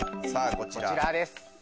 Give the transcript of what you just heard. こちらです。